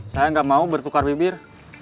saya nggak mau bertukar bibir